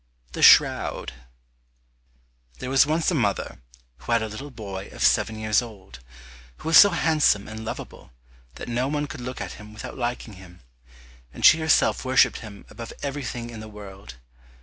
109 The Shroud There was once a mother who had a little boy of seven years old, who was so handsome and lovable that no one could look at him without liking him, and she herself worshipped him above everything in the world.